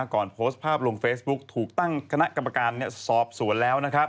ก่อนโพสต์ภาพลงเฟซบุ๊กถูกตั้งคณะกรรมการสอบสวนแล้ว